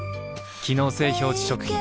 機能性表示食品